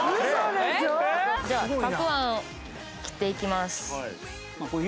ではたくあんを切っていきます。